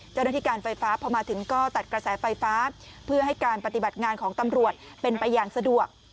เจ้าหน้าที่การไฟฟ้าพอมาถึงก็ตัดกระแสไฟฟ้าเพื่อให้การปฏิบัติงานของตำรวจเป็นไปอย่างสะดวก